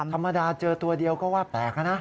ธรรมดาเจอตัวเดียวบังเกิดแปลกนะ